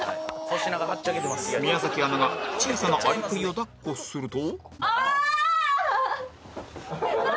宮アナが小さなアリクイを抱っこすると